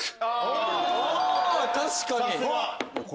確かに。